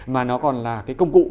mà nó còn là công cụ